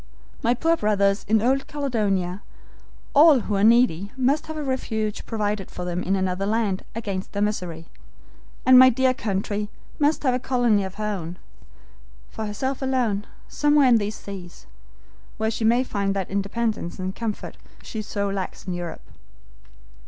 My poor brothers in old Caledonia, all who are needy must have a refuge provided for them in another land against their misery, and my dear country must have a colony of her own, for herself alone, somewhere in these seas, where she may find that independence and comfort she so lacks in Europe."